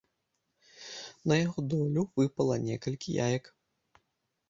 На яго долю выпала некалькі яек.